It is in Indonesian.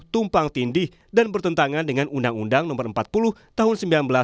tumpang tindih dan bertentangan dengan undang undang no empat puluh tahun seribu sembilan ratus sembilan puluh